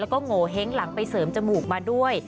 แล้วก็โงเห้งหลังไปเสริมจมูกมาด้วย